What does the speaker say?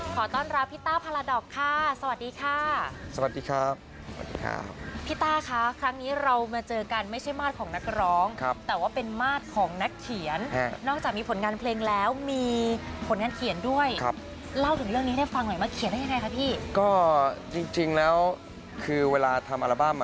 ขอต้อนรับพี่ต้าพาราดอกค่ะสวัสดีค่ะสวัสดีครับสวัสดีครับพี่ต้าคะครั้งนี้เรามาเจอกันไม่ใช่มาตรของนักร้องครับแต่ว่าเป็นมาตรของนักเขียนนอกจากมีผลงานเพลงแล้วมีผลงานเขียนด้วยครับเล่าถึงเรื่องนี้ให้ฟังหน่อยมาเขียนได้ยังไงคะพี่ก็จริงจริงแล้วคือเวลาทำอัลบั้มอ่ะ